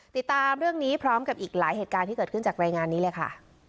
ติดตามเรื่องนี้พร้อมกับอีกหลายเหตุการณ์ที่เกิดขึ้นจากรายงานนี้เลยค่ะ